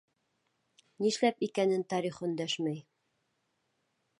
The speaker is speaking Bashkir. Нишләп икәнен тарих өндәшмәй.